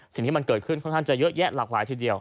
สิ่งที่มันเกิดขึ้นค่อนข้างจะเยอะแยะหลากหลายทีเดียว